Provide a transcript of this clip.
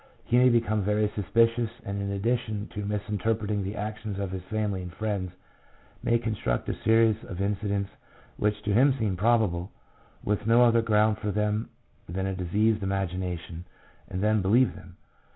He may become very suspicious, and in addition to misinterpreting the actions of his family and friends may construct a series of incidents which to him seem probable, with no other ground for them than a diseased imagination, and then believe them.